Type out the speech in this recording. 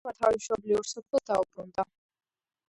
მამა თავის მშობლიურ სოფელს დაუბრუნდა.